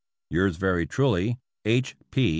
Yours very truly, H. P.